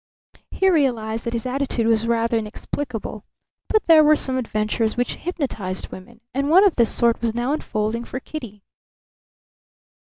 He realized that his attitude was rather inexplicable; but there were some adventures which hypnotized women; and one of this sort was now unfolding for Kitty.